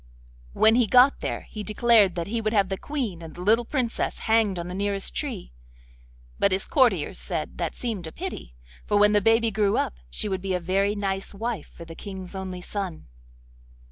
When he got there he declared that he would have the Queen and the little Princess hanged on the nearest tree; but his courtiers said that seemed a pity, for when the baby grew up she would be a very nice wife for the King's only son.